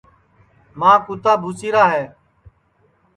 ماں کُوتا بھُوسِیرا ہے